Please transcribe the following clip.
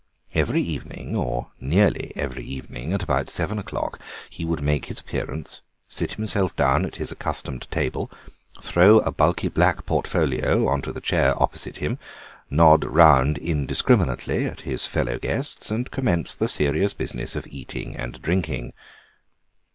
Every evening, or nearly every evening, at about seven o'clock, he would make his appearance, sit himself down at his accustomed table, throw a bulky black portfolio on to the chair opposite him, nod round indiscriminately at his fellow guests, and commence the serious business of eating and drinking.